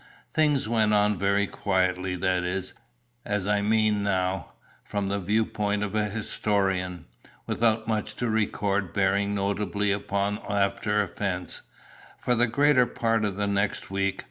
Things went on very quietly, that is, as I mean now, from the view point of a historian, without much to record bearing notably upon after events, for the greater part of the next week.